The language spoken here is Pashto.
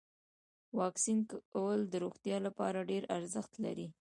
واکسین کول د روغتیا لپاره ډیر ارزښت لري.